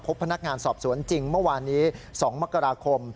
พบพนักงานสอบสวนจริงเมื่อวานนี้๒มกราคม